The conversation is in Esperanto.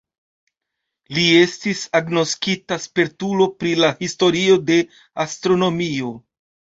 Li estis agnoskita spertulo pri la historio de astronomio.